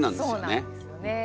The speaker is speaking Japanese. そうなんですよね。